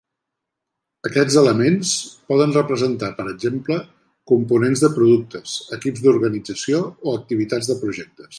Aquests elements poden representar, per exemple, components de productes, equips d'organització o activitats de projectes.